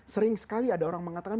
sering sekali ada orang mengatakan